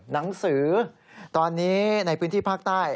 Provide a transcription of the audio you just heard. หนังสือตอนนี้ในพื้นที่ภาคใต้